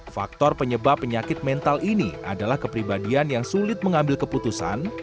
faktor penyebab penyakit mental ini adalah kepribadian yang sulit mengambil keputusan